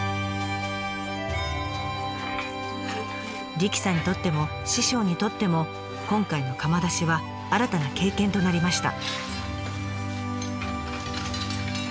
理妃さんにとっても師匠にとっても今回の窯出しは新たな経験となりました。